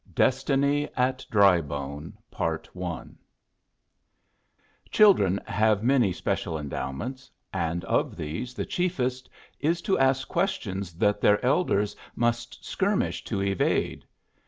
DESTINY AT DRYBONE PART I Children have many special endowments, and of these the chiefest is to ask questions that their elders must skirmish to evade.